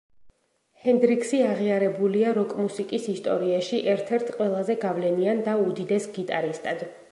ჰენდრიქსი აღიარებულია როკ მუსიკის ისტორიაში ერთ-ერთ ყველაზე გავლენიან და უდიდეს გიტარისტად.